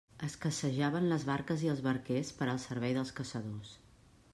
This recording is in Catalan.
Escassejaven les barques i els barquers per al servei dels caçadors.